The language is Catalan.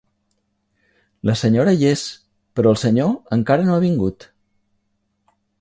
La senyora hi és, però el senyor encara no ha vingut.